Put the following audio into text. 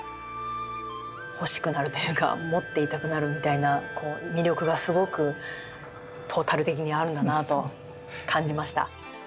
欲しくなるというか持っていたくなるみたいな魅力がすごくトータル的にあるんだなと感じました。